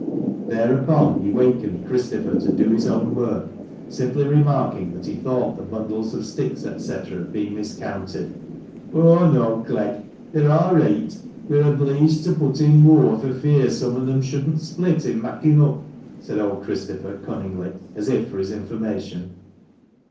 Thereupon he wakened Christopher to do his own work, simply remarking that he thought the bundles of sticks, &c., had been miscounted. " Oh, no, Clegg, they're a' reet ; we're obleeged to put in moore fur fear some on 'em shouldn' split in makkin' oop," said old Christopher, cunningly, as if for his information.